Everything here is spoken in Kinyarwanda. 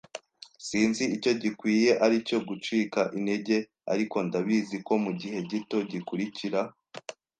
Sinzi icyo gikwiye aricyo gucika intege, ariko ndabizi ko mugihe gito gikurikira